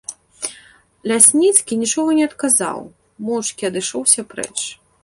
Лясніцкі нічога не адказаў, моўчкі адышоўся прэч.